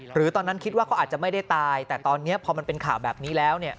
ตอนนั้นคิดว่าเขาอาจจะไม่ได้ตายแต่ตอนนี้พอมันเป็นข่าวแบบนี้แล้วเนี่ย